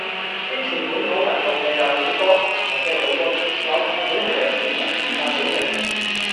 支持本土運動嘅有好多唔同嘅組織，有唔少係由市民自發組成